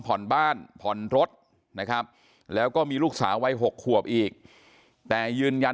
ผ่อนบ้านผ่อนรถนะครับแล้วก็มีลูกสาววัย๖ขวบอีกแต่ยืนยัน